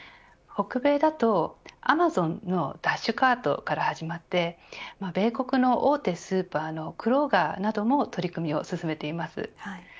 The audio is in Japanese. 北米だとアマゾンのダッシュカートから始まって米国の大手スーパーのＫｒｏｇｅｒなども取り組みを進めています。